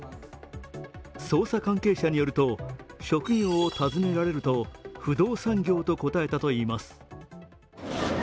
捜査関係者によると職業を尋ねられると不動産業と答えたといいます。